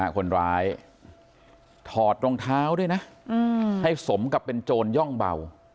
คนร้ายถอดรองเท้าด้วยนะให้สมกับเป็นโจรย่องเบา